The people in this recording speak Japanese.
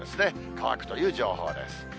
乾くという情報です。